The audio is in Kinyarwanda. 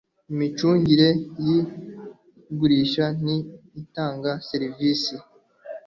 Imicungire y ugurisha n iy utanga serivisi